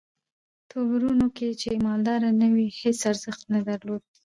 توربرونو کې چې مالداره نه وې هیس ارزښت نه درکوي.